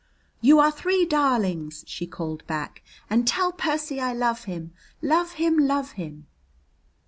"You are three darlings!" she called back. "And tell Percy I love him love him love him!"